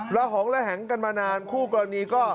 หองระแหงกันมานานคู่กรณีก็